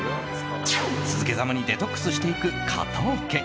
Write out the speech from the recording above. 続けざまにデトックスしていく加藤家。